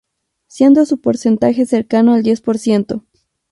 Siendo su porcentaje cercano al diez por ciento